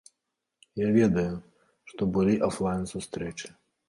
Я ведаю, што былі афлайн-сустрэчы.